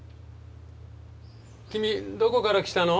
君どこから来たの？